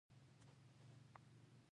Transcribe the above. د کاغذ پرانۍ کلتور باید ورک شي.